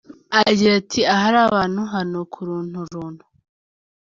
Agira ati “Ahari abantu hanuka urunturuntu.